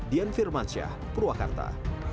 dian firmansyah purwakarta